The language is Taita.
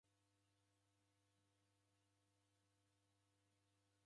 Irumirio jareda lukundo